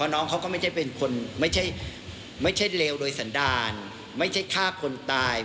น้องเขาก็ไม่ใช่เป็นคนไม่ใช่เลวโดยสันดารไม่ใช่ฆ่าคนตาย